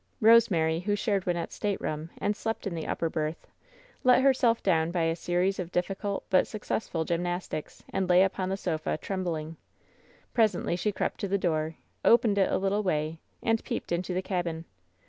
Eosemary, who shared Wynnette*s stateroom, and slept in the upper berth, let herself down by a series of difficult but successful gymnastics, and lay upon the sofa, trembling. Presently she crept to the door, opened it a little way, and peeped into the cabin.